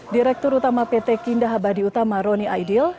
direktur utama pt kindahabadi utama roni aidil